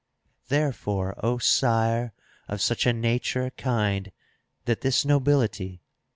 Therefore, O Sire, of such a nature kind. That this nobility.